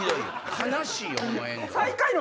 悲しいよお前の。